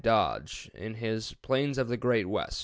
Dodge in his "Plains of the Great West," p.